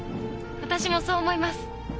私もそう思います。